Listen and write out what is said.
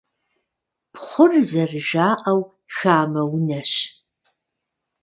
Пхъур, зэрыжаӀэу, хамэ унэщ.